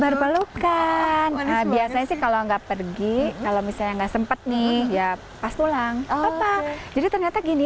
berpelukan biasanya sih kalau gak pergi kalau misalnya gak sempet nih ya pas pulang papa jadi ternyata gini ya